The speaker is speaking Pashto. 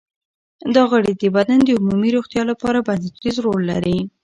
دا غړي د بدن د عمومي روغتیا لپاره بنسټیز رول لري.